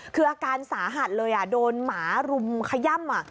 คืออาการสาหัสเลยโดนหมารุมขย่ำ